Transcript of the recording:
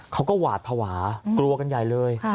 เขาก็หวาดภาวะกลัวกันใหญ่เลย